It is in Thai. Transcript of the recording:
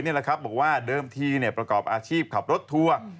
ทราบบอกว่าเดิมที่ประกอบอาชีพขับรถทัวร์